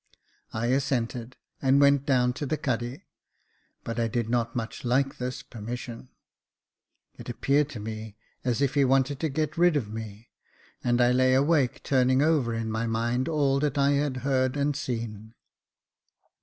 I assented, and went down to the cuddy ; but I did not much like this permission. It appeared to me as if he wanted to get rid of me, and I lay awake turning over in my mind all that I had heard and seen.